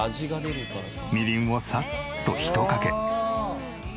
みりんをサッとひとかけ。